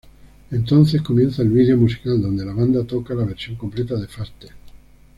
Entonces comienza el video musical donde la banda toca la versión completa de Faster.